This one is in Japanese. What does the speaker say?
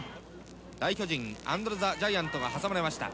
大巨人アンドレ・ザ・ジャイアントが挟まれました。